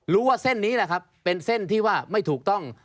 ว่าเส้นนี้แหละครับเป็นเส้นที่ว่าไม่ถูกต้อง